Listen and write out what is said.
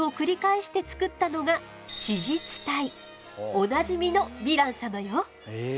おなじみのヴィラン様よ。